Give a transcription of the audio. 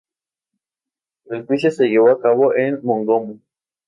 El juicio se llevó a cabo en Mongomo.